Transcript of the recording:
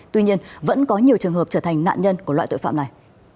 tuy nhiên vẫn có nhiều trường hợp trở thành nạn nhân của loại tội phạm này